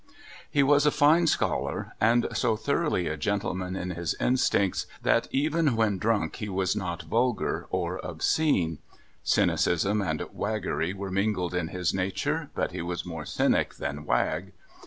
He vras a fine schol ar, and so thoroughly a gentleman in his instincts that even when drunk he was not vulgar or obscene. Cynicism and waggery were mingled in his nature, but he was more cynic than wag.